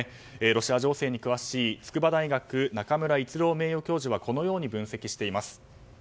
ロシア情勢に詳しい筑波大学、中村逸郎名誉教授はこのように分析しています。